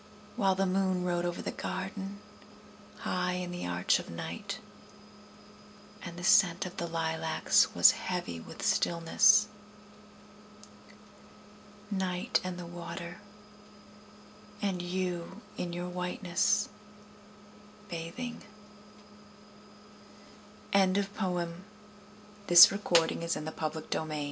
While the moon rode over the garden, High in the arch of night, And the scent of the lilacs was heavy with stillness. Night, and the water, and you in your whiteness, bathing! A Tulip Garden Guarded within the old red wall's embrace,